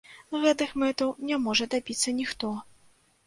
Гэтых мэтаў не можа дабіцца ніхто.